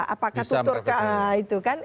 apakah tutur kata itu kan